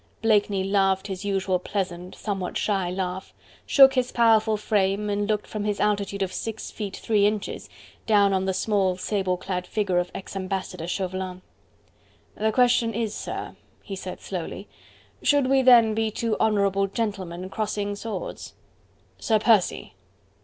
Blakeney laughed his usual pleasant, somewhat shy laugh, shook his powerful frame and looked from his altitude of six feet three inches down on the small, sable clad figure of ex Ambassador Chauvelin. "The question is, sir," he said slowly, "should we then be two honourable gentlemen crossing swords?" "Sir Percy..."